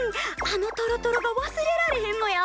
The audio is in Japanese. あのトロトロが忘れられへんのや。